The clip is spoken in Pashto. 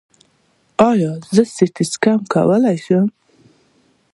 ایا زه سټي سکن کولی شم؟